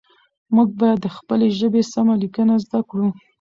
موږ باید د خپلې ژبې سمه لیکنه زده کړو